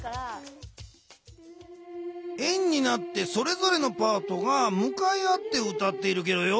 円になってそれぞれのパートがむかい合って歌っているゲロよ。